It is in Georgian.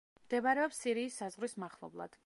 მდებარეობს სირიის საზღვრის მახლობლად.